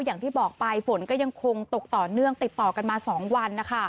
อย่างที่บอกไปฝนก็ยังคงตกต่อเนื่องติดต่อกันมา๒วันนะคะ